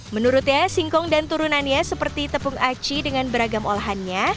menurutnya singkong dan turunannya seperti tepung aci dengan beragam olahannya